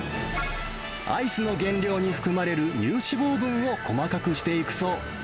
アイスの原料に含まれる乳脂肪分を細かくしていくそう。